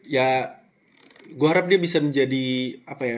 ya gua harap dia bisa menjadi apa ya